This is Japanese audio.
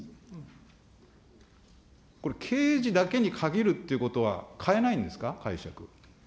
これ、刑事だけに限るっていうことは変えないんですか、解釈。